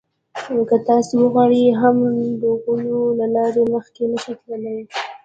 که تاسې وغواړئ هم د غولولو له لارې مخکې نه شئ تللای.